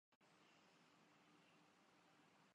ڈھنگ کے لوگ میر کارواں نہ بن سکے۔